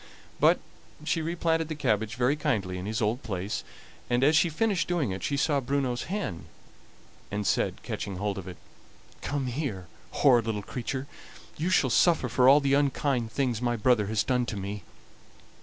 But she replanted the cabbage very kindly in his old place, and, as she finished doing it, she saw Bruno's hen, and said, catching hold of it: "Come here, horrid little creature! you shall suffer for all the unkind things my brother has done to me."